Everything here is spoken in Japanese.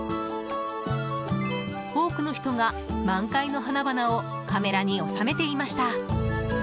多くの人が満開の花々をカメラに収めていました。